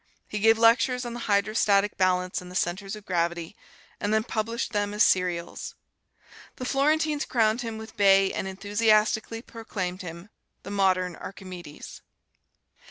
He gave lectures on the Hydrostatic Balance and the Centers of Gravity, and then published them as serials. The Florentines crowned him with bay and enthusiastically proclaimed him, "The Modern Archimedes."